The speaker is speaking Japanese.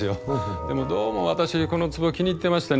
でもどうも私この壺が気に入ってましてね。